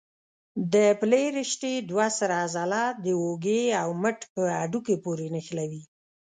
د پلې رشتې دوه سره عضله د اوږې او مټ په هډوکو پورې نښلوي.